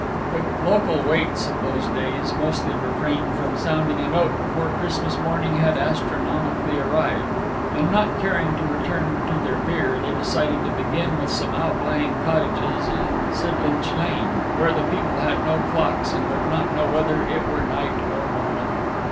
The local waits of those days mostly refrained from sounding a note before Christmas morning had astronomically arrived, and not caring to return to their beer, they decided to begin with some outlying cottages in Sidlinch Lane, where the people had no clocks, and would not know whether it were night or morning.